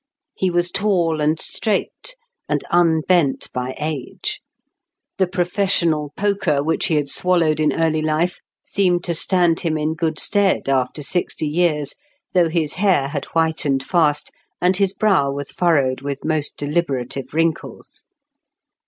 He was tall and straight, and unbent by age; the professional poker which he had swallowed in early life seemed to stand him in good stead after sixty years, though his hair had whitened fast, and his brow was furrowed with most deliberative wrinkles.